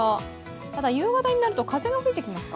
ただ、夕方になると風が吹いてきますか。